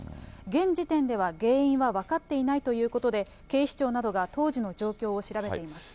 現時点では原因は分かっていないということで、警視庁などが当時の状況を調べています。